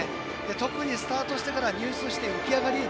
特にスタートしてから入水して、浮き上がり。